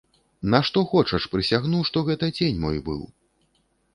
На што хочаш прысягну, што гэта цень мой быў.